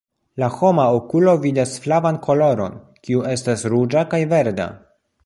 La homa okulo vidas flavan koloron, kiu estas ruĝa kaj verda.